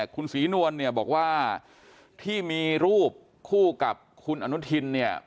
คุณศรีนวลบอกว่าที่มีรูปคู่กับคุณอนุทิน